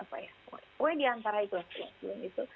pokoknya di antara itu lah